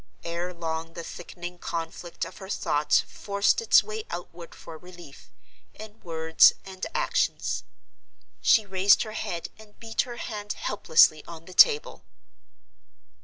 Ere long the thickening conflict of her thoughts forced its way outward for relief, in words and actions. She raised her head and beat her hand helplessly on the table.